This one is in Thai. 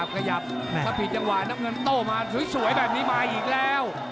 ขยับถ้าผิดจังหวะน้ำเงินโต้มาสวยแบบนี้มาอีกแล้ว